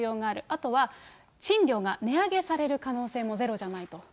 あとは、賃料が値上げされる可能性もゼロじゃないと。